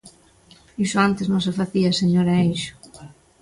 Iso antes non se facía, señora Eixo.